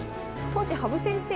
当時羽生先生